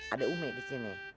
ada umi di sini